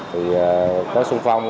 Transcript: thì có xuân phong